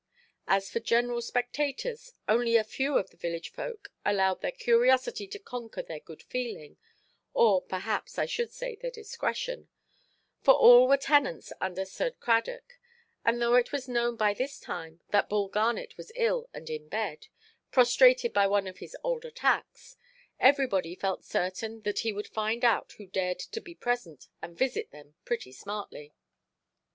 As for general spectators, only a few of the village–folk allowed their curiosity to conquer their good feeling, or, perhaps, I should say their discretion; for all were tenants under Sir Cradock; and, though it was known by this time that Bull Garnet was ill and in bed, prostrated by one of his old attacks, everybody felt certain that he would find out who dared to be present, and visit them pretty smartly.